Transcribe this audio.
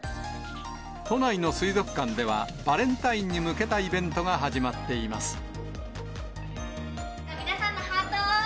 都内の水族館では、バレンタインに向けたイベントが始まっています。